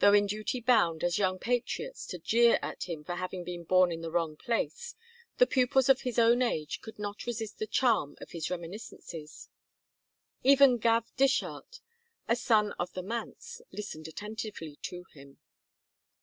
Though in duty bound, as young patriots, to jeer at him for having been born in the wrong place, the pupils of his own age could not resist the charm of his reminiscences; even Gav Dishart, a son of the manse, listened attentively to him.